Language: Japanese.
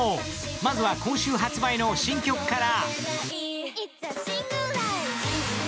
まずは今週発売の新曲から。